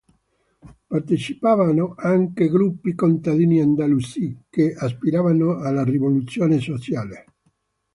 Partecipavano anche gruppi contadini andalusi, che aspiravano alla Rivoluzione Sociale.